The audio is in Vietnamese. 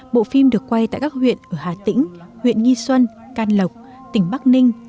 bộ phim được quay tại các huyện ở hà tĩnh huyện nghi xuân can lộc tỉnh bắc ninh